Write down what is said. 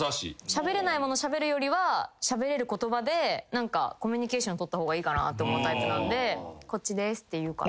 しゃべれないものしゃべるよりはしゃべれる言葉でコミュニケーション取った方がいいかなと思うタイプなんで「こっちです」って言うかな。